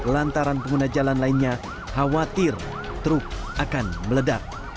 lantaran pengguna jalan lainnya khawatir truk akan meledak